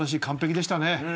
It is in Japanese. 完璧でしたね。